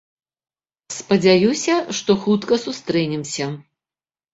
Спадзяюся, што хутка сустрэнемся.